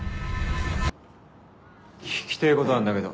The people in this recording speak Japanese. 聞きてぇことあんだけど。